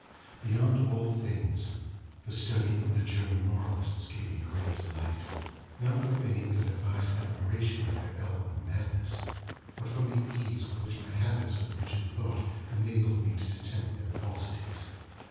—Beyond all things, the study of the German moralists gave me great delight; not from any ill advised admiration of their eloquent madness, but from the ease with which my habits of rigid thought enabled me to detect their falsities.